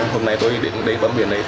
hôm nay tôi đến bấm biển này